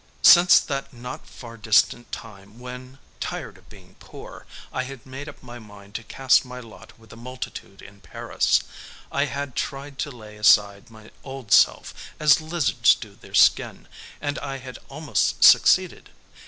Since that not far distant time when, tired of being poor, I had made up my mind to cast my lot with the multitude in Paris, I had tried to lay aside my old self, as lizards do their skins, and I had almost succeeded.